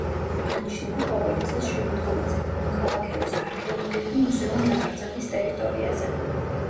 აღინიშნება ყოველი წლის შემოდგომაზე, ნოქალაქევის არქეოლოგიური მუზეუმ-ნაკრძალის ტერიტორიაზე.